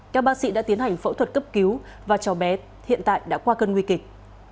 các bác sĩ đã tiến hành phẫu thuật cấp cứu và cho bé hiện tại đã qua cơn nguy kịch